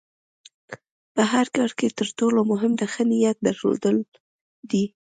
په هر کار کې د تر ټولو مهم د ښۀ نیت درلودل دي.